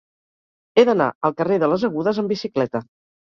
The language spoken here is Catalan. He d'anar al carrer de les Agudes amb bicicleta.